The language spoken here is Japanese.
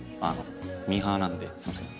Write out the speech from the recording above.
ミーハーなのですいません。